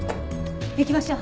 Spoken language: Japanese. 行きましょう。